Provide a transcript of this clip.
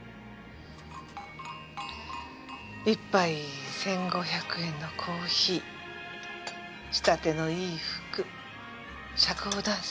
１杯１５００円のコーヒー仕立てのいい服社交ダンス。